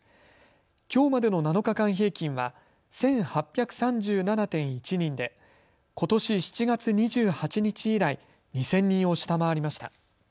きょうまでの７日間平均は１８３７．１人でことし７月２８日以来、２０００人を下回りました。